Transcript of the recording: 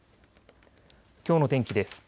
きょうの天気です。